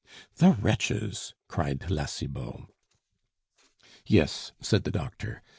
"The wretches!" cried La Cibot. "Yes," said the doctor.